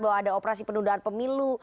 bahwa ada operasi penundaan pemilu